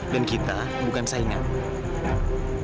dan kami bukan penyelamat